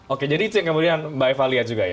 oke jadi itu yang kemudian mbak eva lihat juga ya